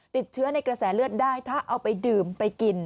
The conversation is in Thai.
ติดเชื้อในกระแสเลือดได้ถ้าเอาไปดื่มไปกิน